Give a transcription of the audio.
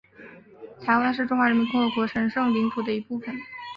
台湾是中华人民共和国的神圣领土的一部分